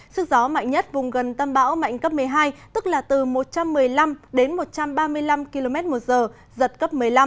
sức gió mạnh nhất vùng gần tâm bão mạnh cấp một mươi hai tức là từ một trăm một mươi năm đến một trăm ba mươi năm km một giờ giật cấp một mươi năm